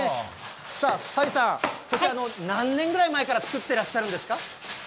さあ、西さん、こちら何年ぐらい前から作ってらっしゃるんですか。